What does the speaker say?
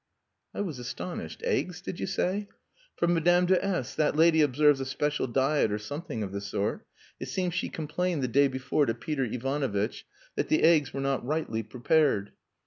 I was astonished. "Eggs, did you say?" "For Madame de S . That lady observes a special diet, or something of the sort. It seems she complained the day before to Peter Ivanovitch that the eggs were not rightly prepared.